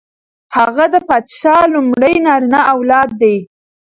هغه د پادشاه لومړی نارینه اولاد دی.